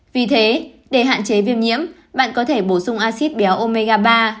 vì thế để hạn chế viêm nhiễm bạn có thể bổ sung acid béo omega ba